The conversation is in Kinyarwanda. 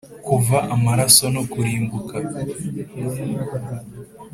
kuva amaraso no kurimbuka